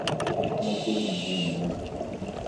No obtuvo ninguna medalla.